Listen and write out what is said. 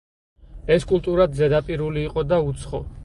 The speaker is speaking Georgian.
ეს კულტურად ზედაპირული იყო და უცხო.